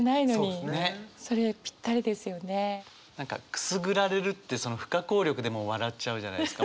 「くすぐられる」って不可抗力でもう笑っちゃうじゃないですか。